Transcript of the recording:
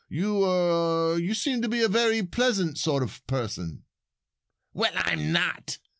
You er you seem to be a very pleasant sort of person." "Well, I'm not!"